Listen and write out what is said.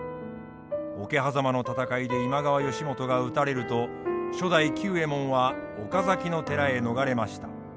桶狭間の戦いで今川義元が討たれると初代久右衛門は岡崎の寺へ逃れました。